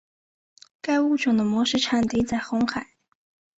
该物种的模式产地在红海。